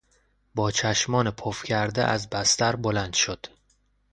با چشمان پف کرده از بستر بلند شد.